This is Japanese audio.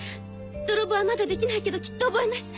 泥棒はまだできないけどきっと覚えます。